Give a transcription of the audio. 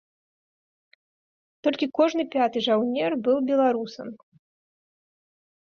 Толькі кожны пяты жаўнер быў беларусам.